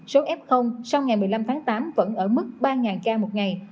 số f sau ngày một mươi năm tháng tám vẫn ở mức ba ca một ngày